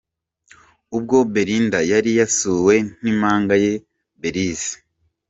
Ubwo Belinda yari yasuwe n'impanga ye Belise.